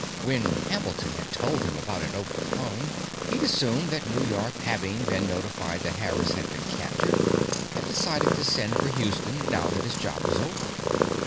When Hamilton had told him about it over the phone, he'd assumed that New York, having been notified that Harris had been captured, had decided to send for Houston, now that his job was over.